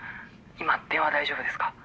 今電話大丈夫ですか？